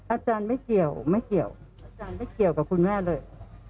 อาจารย์ไม่เกี่ยวไม่เกี่ยวอาจารย์ไม่เกี่ยวกับคุณแม่เลย